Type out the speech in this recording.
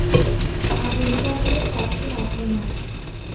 আগুন থাকলে কাছে আসে না।